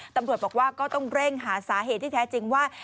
ตำรวจบอกว่าก็ต้องเร่งหาสาเหตุที่แท้จริงว่า